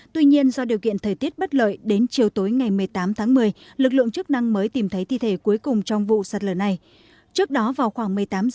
tuy nhiên do điều kiện thời tiết bất lợi đến chiều tối ngày một mươi tám tháng một mươi